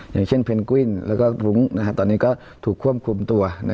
อย่างเช่นเพนกวินแล้วก็รุ้งตอนนี้ก็ถูกควบคุมตัว